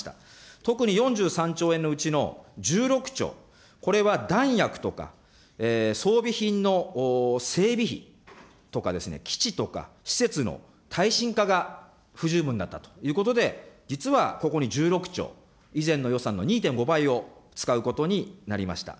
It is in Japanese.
特に４３兆円のうちの１６兆、これは弾薬とか装備品の整備費とかですね、基地とか施設の耐震化が不十分だったということで、実はここに１６兆、以前の予算の２．５倍を使うことになりました。